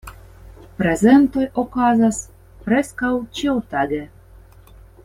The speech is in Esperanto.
Prezentoj okazas preskaŭ ĉiutage.